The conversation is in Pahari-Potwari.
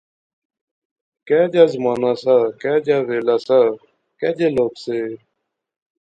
کیا جا زمانہ سا، کیا جا ویلا سا، کے جے لوک سے